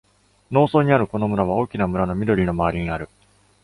農村にあるこの村は、大きな村の緑の周りにある。